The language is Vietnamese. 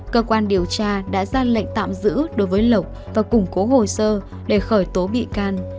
cơ quan điều tra đã ra lệnh tạm giữ đối với lộc và củng cố hồ sơ để khởi tố bị can